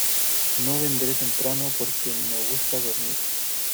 No vendré temprano porque me gusta dormir.